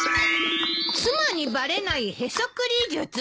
『妻にバレないへそくり術』！？